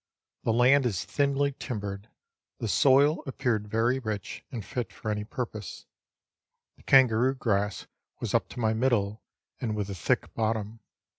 The land is thinly timbered; the soil appeared very rich, and fit for any purpose. The kangaroo grass was up to my middle, and with a thick bottom.